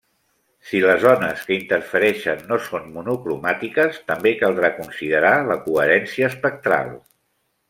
Si les ones que interfereixen no són monocromàtiques també caldrà considerar la coherència espectral.